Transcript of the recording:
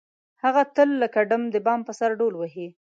هغه تل لکه ډم د بام په سر ډول وهي.